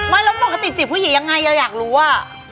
ไม่แล้วปกติจีบผู้หญิงยังไงเราอยากรู้ว่า